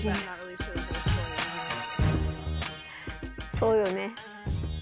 そうよね。